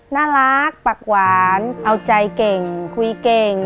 น่ารักปากหวานเอาใจเก่งคุยเก่ง